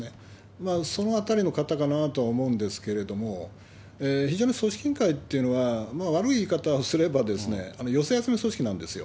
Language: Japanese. そのあたりの方かなとは思うんですけど、非常に組織委員会っていうのは、悪い言い方をすれば、寄せ集め組織なんですよ。